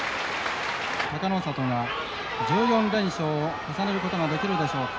隆の里が１４連勝を重ねることができるでしょうか。